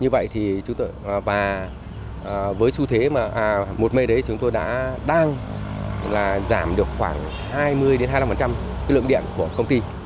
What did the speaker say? và với su thế một m đấy chúng tôi đã đang giảm được khoảng hai mươi hai mươi năm lượng điện của công ty